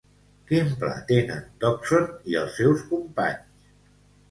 Quin pla tenen Dodgson i els seus companys?